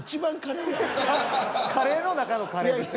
カレーの中のカレーですよね。